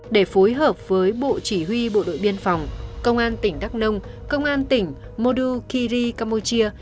để phối hợp với bộ chỉ huy bộ đội biên phòng công an tỉnh đắk nông công an tỉnh modukiri campuchia